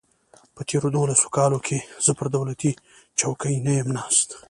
په تېرو دولسو کالو کې زه پر دولتي چوکۍ نه یم ناست.